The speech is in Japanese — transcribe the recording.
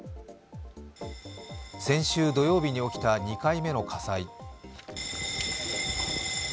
先週土曜日に起きた２回目の火災。